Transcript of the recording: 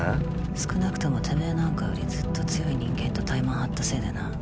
少なくともてめぇなんかよりずっと強い人間とタイマン張ったせいでな。